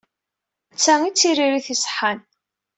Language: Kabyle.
D ta i d tiririt iṣeḥḥan.